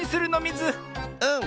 うん！